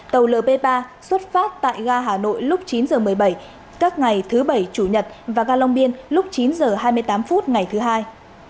tàu lp ba xuất phát tại ga hà nội lúc chín h một mươi bảy các ngày thứ bảy chủ nhật và ga long biên lúc chín h hai mươi tám phút ngày thứ hai